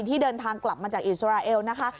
ที่เดินทางกลับมาจากอิสราเอลนะคะ